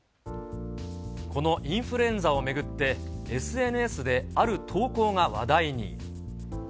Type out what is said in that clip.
このインフルエンザを巡って、ＳＮＳで、ある投稿が話題に。